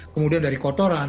kemudian dari kotoran